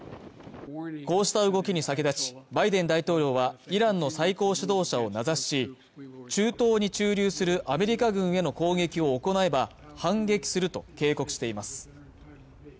こうした動きに先立ちバイデン大統領はイランの最高指導者を名指しし中東に駐留するアメリカ軍への攻撃を行えば反撃すると警告しています